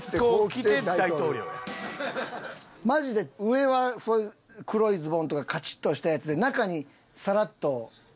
マジで上はそういう黒いズボンとかカチッとしたやつで中にサラッと。